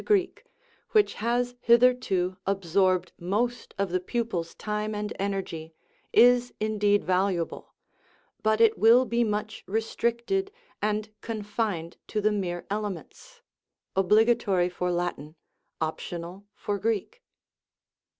Greek), which has hitherto absorbed most of the pu pils'* time and energy, is indeed valuable ; but it will be much restricted, and confined to the mere elements (obligatory for Latin, optional for Greek).